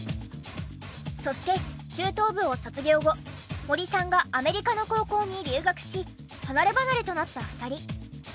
そして中等部を卒業後森さんがアメリカの高校に留学し離ればなれとなった２人。